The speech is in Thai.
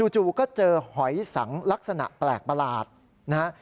จู่ก็เจอหอยสังลักษณะแปลกประหลาดนะฮะ